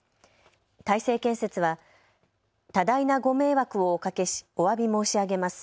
大成建設は多大なご迷惑をおかけしおわび申し上げます。